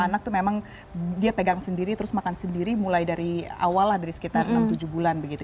jadi memang dia pegang sendiri terus makan sendiri mulai dari awal lah dari sekitar enam tujuh bulan begitu